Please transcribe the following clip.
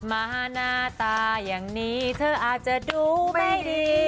มาหน้าตาอย่างนี้เธออาจจะดูไม่ดี